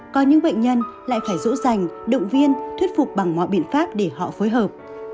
có những bệnh nhân lại phải rỗ dành động viên thuyết phục bằng mọi biện pháp để họ phối hợp